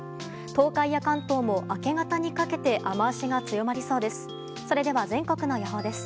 東海や関東も、明け方にかけて雨脚が強まりそうです。